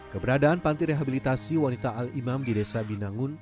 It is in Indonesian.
keberadaan panti rehabilitasi wanita al imam di desa binangun